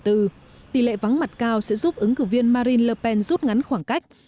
tỷ lệ vắng mặt cao sẽ giúp ứng cử viên marine le pen rút ngắn khoảng cách